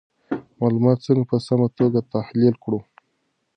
معلومات څنګه په سمه توګه تحلیل کړو؟